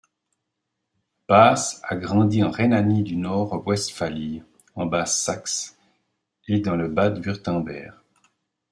Basse a grandi en Rhénanie du Nord-Westphalie, en Basse-Saxe et dans le Bade-Wurtemberg.